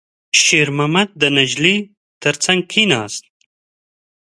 شېرمحمد د نجلۍ تر څنګ کېناست.